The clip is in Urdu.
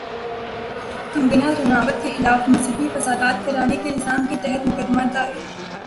کنگنا رناوٹ کے خلاف مذہبی فسادات کرانے کے الزام کے تحت مقدمہ دائر